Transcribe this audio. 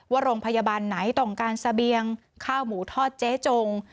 ว่าโรงพยาบาลไหนต้องการเสบียงข้าวหมูทอดเจ๊จง